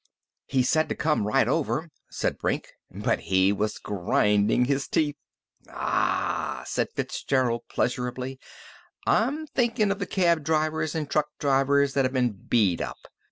"He said to come right over," said Brink. "But he was grinding his teeth." "Ah h h!" said Fitzgerald pleasurably. "I'm thinkin' of the cab drivers an' truck drivers that've been beat up.